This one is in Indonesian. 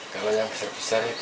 kalau yang besar besarnya tiga empat